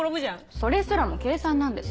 それすらも計算なんです。